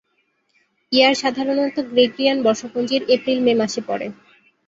ইয়ার সাধারণত গ্রেগরিয়ান বর্ষপঞ্জির এপ্রিল-মে মাসে পড়ে।